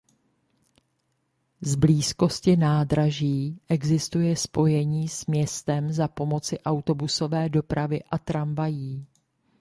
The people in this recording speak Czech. Z blízkosti nádraží existuje spojení s městem za pomoci autobusové dopravy a tramvají.